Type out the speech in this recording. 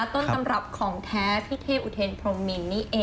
ต้นตำรับของแท้พี่เท่อุเทนพรมมินนี่เอง